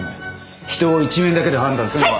人を一面だけで判断するのは。